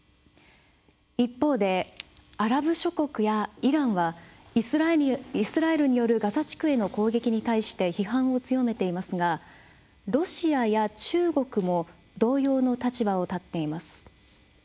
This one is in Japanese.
一方でアラブ諸国やイランはイスラエルによるガザ地区への攻撃に対して批判を強めていますがロシアや中国も同様の立場をとっています。